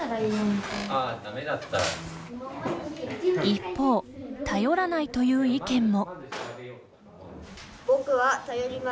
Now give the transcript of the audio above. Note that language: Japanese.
一方、頼らないという意見も。